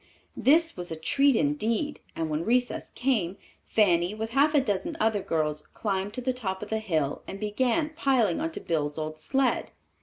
This was a treat indeed, and when recess came, Fanny, with half a dozen other girls, climbed to the top of the hill, and began piling on to Bill's old sled.